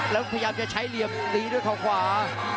แล้วพยายามจะใช้เหลี่ยมตีด้วยเขาขวา